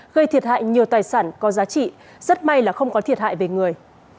gây thiệt hại nhiều tài sản có giá trị rất may là không có thiệt hại về người